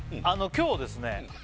今日ですね